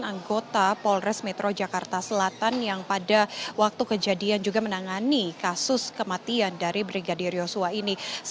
anggota polres metro jakarta selatan yang pada waktu kejadian juga menangani kasus kematian dari brigadir yosua ini